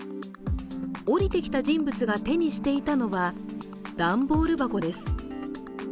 降りてきた人物が手にしていたのは、段ボール箱です。